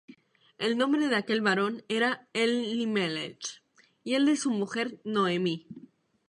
El nombre de aquel varón era Elimelech, y el de su mujer Noemi